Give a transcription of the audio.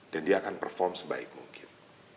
dan dia akan perform sebaik mungkin